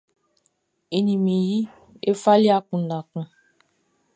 E ni mi yi e fali akunndan kun.